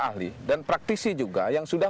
ahli dan praktisi juga yang sudah